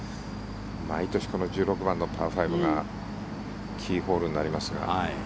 毎年この１６番のパー５がキーホールになりますが。